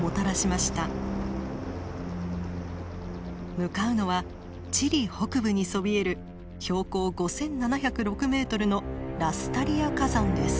向かうのはチリ北部にそびえる標高５，７０６ｍのラスタリア火山です。